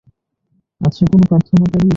আছে কোন প্রার্থনাকারী?